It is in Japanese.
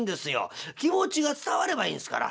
気持ちが伝わればいいんですから。